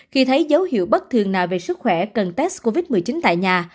khi thấy dấu hiệu bất thường nào về sức khỏe cần test covid một mươi chín tại nhà